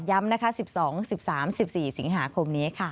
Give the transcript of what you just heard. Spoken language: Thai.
นะคะ๑๒๑๓๑๔สิงหาคมนี้ค่ะ